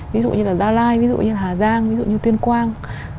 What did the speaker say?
ví dụ như là dalai ví dụ như là hà giang ví dụ như tiên quang